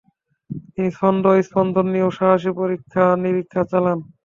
তিনি ছন্দ ও স্পন্দন নিয়েও সাহসী পরীক্ষা-নিরীক্ষা চালান।